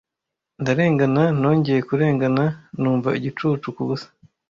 ndarengana nongeye kurengana numva igicucu kubusa